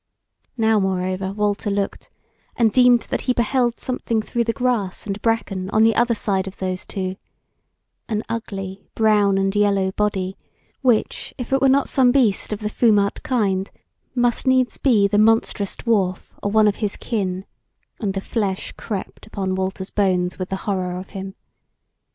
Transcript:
Now moreover Walter looked, and deemed that he beheld something through the grass and bracken on the other side of those two, an ugly brown and yellow body, which, if it were not some beast of the foumart kind, must needs be the monstrous dwarf, or one of his kin; and the flesh crept upon Walter's bones with the horror of him.